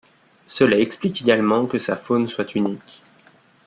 Cela explique également que sa faune soit unique.